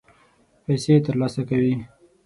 پیسې ترلاسه کوي.